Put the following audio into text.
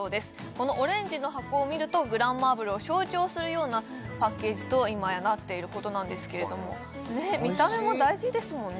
このオレンジの箱を見るとグランマーブルを象徴するようなパッケージと今やなっていることなんですけれども見た目も大事ですもんね